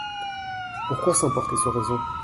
Pourquoi s’emporter sans raison ?